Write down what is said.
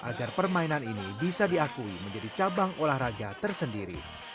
agar permainan ini bisa diakui menjadi cabang olahraga tersendiri